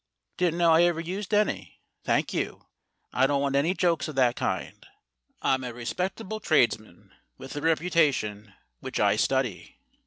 Didn't know I ever used any? Thank you; I don't want any jokes of that kind. I'm a respectable tradesman, with a reputation which I study.